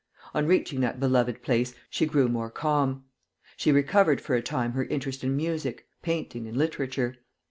On reaching that beloved place, she grew more calm. She recovered for a time her interest in music, painting, and literature.